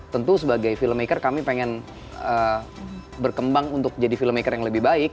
tentu sebagai filmmaker kami pengen berkembang untuk jadi filmmaker yang lebih baik